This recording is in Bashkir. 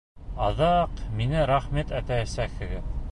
Аҙаҡ миңә рәхмәт әйтәсәкһегеҙ!